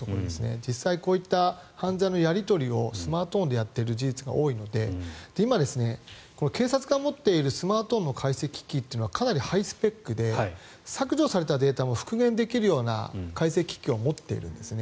実際こういった犯罪のやり取りをスマートフォンでやってることが多いので今、警察が持っているスマートフォンの解析機というのがかなりハイスペックで削除されたデータも復元できるような解析機器を持っているんですね。